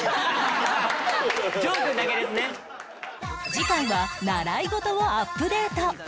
次回は習い事をアップデート